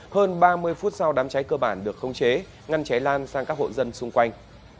hơn ba mươi phút sau đám cháy cơ bản được khống chế ngăn cháy lan sang các hộ dân xung quanh